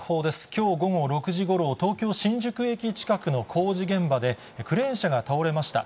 きょう午後６時ごろ、東京・新宿駅近くの工事現場で、クレーン車が倒れました。